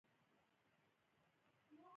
بزګرو قبیلو د بزګرۍ په پرمختګ تمرکز وکړ.